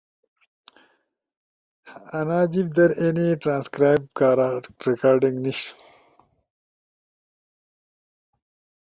انا جیب در اینی ترانکرائب کارا ریکارڈنگ نیِش،